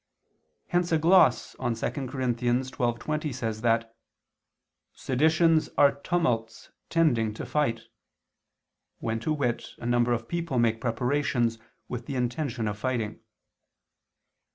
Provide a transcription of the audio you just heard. Hence a gloss on 2 Cor. 12:20 says that "seditions are tumults tending to fight," when, to wit, a number of people make preparations with the intention of fighting.